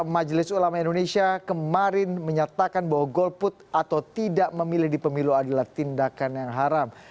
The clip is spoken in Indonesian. majelis ulama indonesia kemarin menyatakan bahwa golput atau tidak memilih di pemilu adalah tindakan yang haram